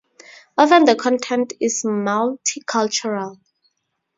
Often the content is multicultural.